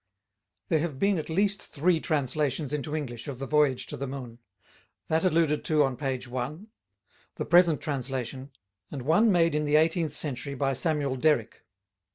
There have been at least three translations into English of the Voyage to the Moon: that alluded to on page 1; the present translation; and one made in the eighteenth century by Samuel Derrick.